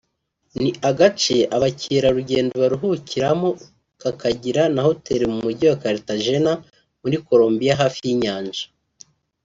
ni agace abakerarugendo baruhukiramo kakagira na hoteli mu mujyi wa Cartagena muri Colombia hafi y’inyanja